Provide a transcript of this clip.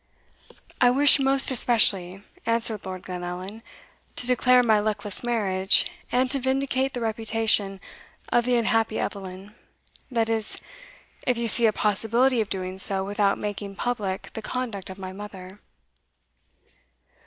"I wish most especially," answered Lord Glenallan, "to declare my luckless marriage, and to vindicate the reputation of the unhappy Eveline that is, if you see a possibility of doing so without making public the conduct of my mother."